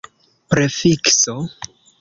prefikso